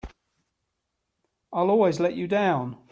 I'll always let you down!